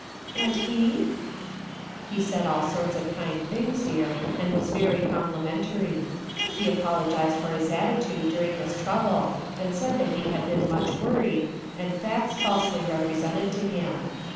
"And he?" " He said all sorts of kind things, dear, and was very complimentary. He apologized for his attitude during this trouble and said he had been much worried, and facts falsely represented to him.